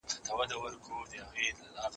هغه څوک چي لوښي وچوي منظم وي